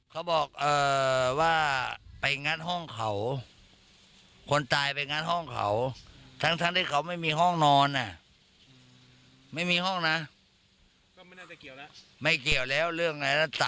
ให้ปี๋ยาว่าไปงั้นห้องกูทั้งนี้เขามิมีห้องอ่ะ